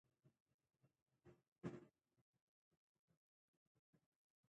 هغه نظام چې ولس ورسره ولاړ وي د سقوط ویره نه لري